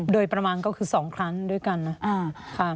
โดยประมาณก็คือ๒ครั้งด้วยกันนะ